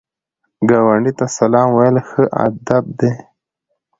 ګاونډي ته سلام ویل ښو ادب دی